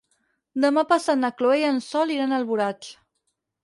Demà passat na Chloé i en Sol iran a Alboraig.